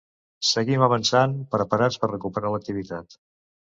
Seguim avançant, preparats per recuperar l’activitat.